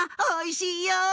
おいしいよ！